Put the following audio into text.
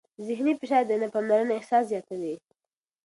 ذهني فشار د نه پاملرنې احساس زیاتوي.